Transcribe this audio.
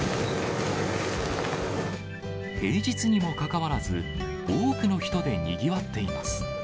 平日にもかかわらず、多くの人でにぎわっています。